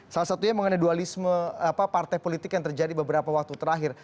salah satunya mengenai dualisme partai politik yang terjadi beberapa waktu terakhir